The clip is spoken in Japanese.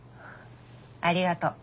ありがとう。